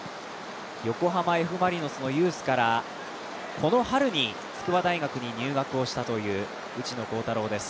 横浜Ｆ・マリノスのユースから、この春に筑波大学に入学したという内野航太郎です。